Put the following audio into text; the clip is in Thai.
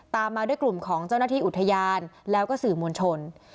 ตามมาด้วยกลุ่มของเจ้าหน้าที่อุทยานแล้วก็สื่อมวลชน